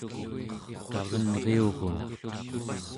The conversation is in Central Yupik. tarenriurun